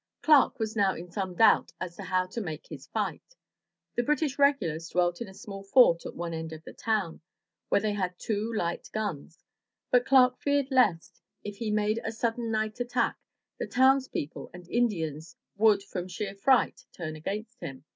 Clark was now in some doubt as to how to make his fight. The British regulars dwelt in a small fort at one end of the town, where they had two light guns, but Clark feared lest, if he made a sudden night attack, the townspeople and Indians would, from sheer fright, turn against him.